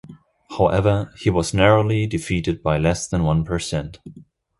However, he was narrowly defeated by less than one percent.